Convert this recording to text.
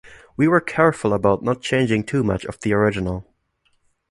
We were careful about not changing too much of the original.